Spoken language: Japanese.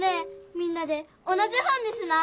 みんなで同じ本にしない？